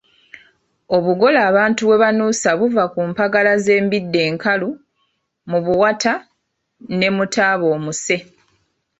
Obugolo abantu bwe banuusa buva ku mpagala z'embidde enkalu, mu buwata ne mu taba omuse.